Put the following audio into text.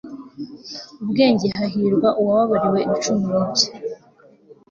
ubwenge hahirwa uwababariwe ibicumuro bye